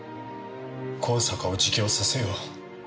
香坂を自供させよう。